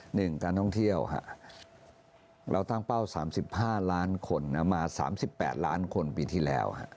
หนึ่งการท่องเที่ยวเราตั้งเป้า๓๕ล้านคนมา๓๘ล้านคนปีที่แล้ว